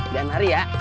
jangan lari ya